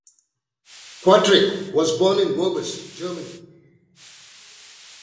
Quaritch was born in Worbis, Germany.